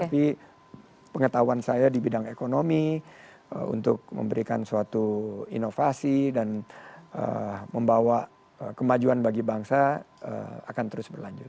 tapi pengetahuan saya di bidang ekonomi untuk memberikan suatu inovasi dan membawa kemajuan bagi bangsa akan terus berlanjut